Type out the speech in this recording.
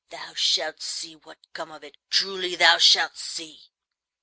Thou shalt see what comes of it, truly, thou shalt see."